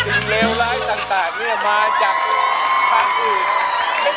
สิ่งเลวร้ายต่างเนี่ยมาจากทางอื่น